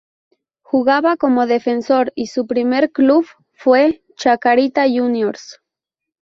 Jugaba como defensor y su primer club fue Chacarita Juniors.